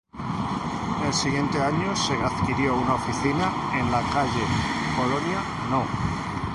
El siguiente año se adquirió una oficina en la calle Colonia No.